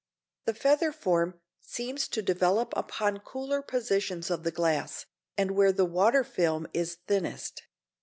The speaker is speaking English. The feather form seems to develop upon cooler positions of the glass, and where the water film is thinnest.